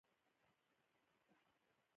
حقیقي عشق وده ورکوي.